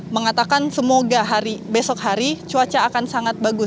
mengatakan semoga besok hari cuaca akan sangat bagus